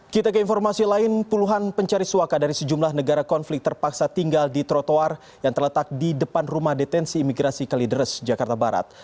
kita ke informasi lain puluhan pencari suaka dari sejumlah negara konflik terpaksa tinggal di trotoar yang terletak di depan rumah detensi imigrasi kalideres jakarta barat